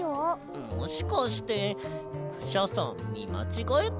もしかしてクシャさんみまちがえたんじゃ。